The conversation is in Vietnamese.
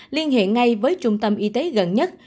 liên hệ ngay với trung tâm y tế gần nhất